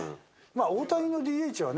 大谷のＤＨはね。